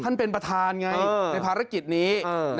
ท่านเป็นประธานไงในภารกิจนี้